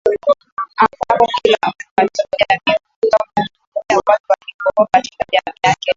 Ambapo kila mtu katika jamii hufunzwa kuwahudumia watu waliopo katika jamii yake